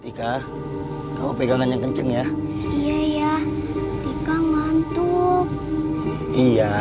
tika kau pegangannya kenceng ya iya iya tiga ngantuk iya